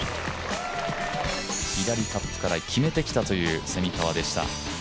左カップから決めてきたという蝉川でした。